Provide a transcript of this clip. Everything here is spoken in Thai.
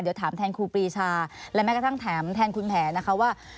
เดี๋ยวถามแทนครูปรีชาและแม้กระทั่งถามแทนคุณแผนนะคะว่า